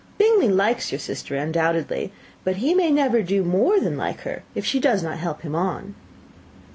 Bingley likes your sister undoubtedly; but he may never do more than like her, if she does not help him on."